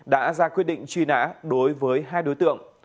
đã ra quyết định truy nã đối với hai đối tượng